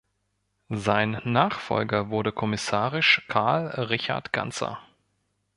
Sein Nachfolger wurde kommissarisch Karl Richard Ganzer.